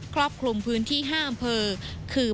รอบคลุมพื้นที่๕อำเภอคือ